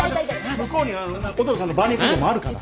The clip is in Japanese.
向こうに音野さんのバーニャカウダもあるから。